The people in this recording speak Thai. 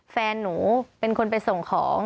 แฟนหนูเป็นคนไปส่งของ